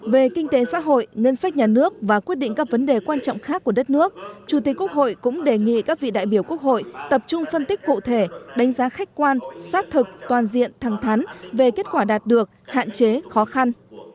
về kinh tế xã hội ngân sách nhà nước và quyết định các vấn đề quan trọng khác của đất nước chủ tịch quốc hội cũng đề nghị các vị đại biểu quốc hội tập trung phân tích cụ thể đánh giá khách quan sát thực toàn diện thẳng thắn về kết quả đạt được hạn chế khó khăn